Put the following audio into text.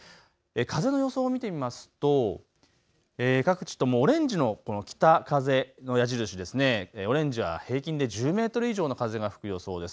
風の予想を見てみますと各地ともオレンジの北風の矢印、オレンジは平均で１０メートル以上の風が吹く予想です。